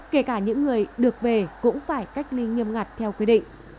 kể cả những người được về cũng phải cách ly nghiêm ngặt theo quy định